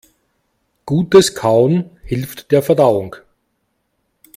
Gutes Kauen hilft der Verdauung.